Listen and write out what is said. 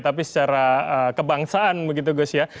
tapi secara kebangsaan begitu gus ya